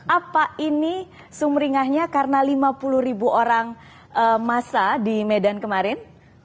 apa ini sumringahnya karena lima puluh ribu orang massa di medan kemarin